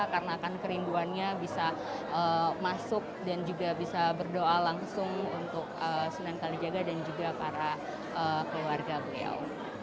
karena akan kerinduannya bisa masuk dan juga bisa berdoa langsung untuk sunan kalijaga dan juga para keluarga beliau